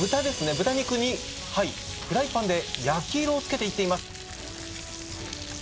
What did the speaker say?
豚肉にはいフライパンで焼き色をつけていっています